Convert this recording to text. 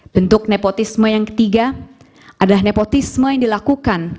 bentuk nepotisme yang ketiga adalah nepotisme yang dilakukan